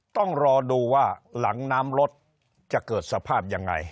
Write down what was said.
ต้องรอดูว่าหลังน้ำรถจะเกิดสภาพยังไง